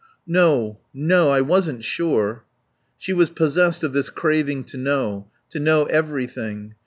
"No. No. I wasn't sure." She was possessed of this craving to know, to know everything.